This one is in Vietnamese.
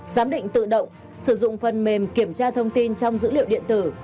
giám định tự động sử dụng phần mềm kiểm tra thông tin trong dữ liệu điện tử